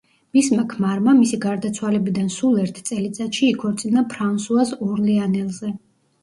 მისმა ქმარმა, მისი გარდაცვალებიდან სულ ერთ წელიწადში იქორწინა ფრანსუაზ ორლეანელზე.